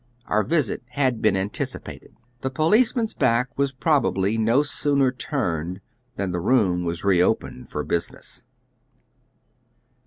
Our visit had been anticipated. The policeman's back was probably no sooner turned than the room was re opened for business.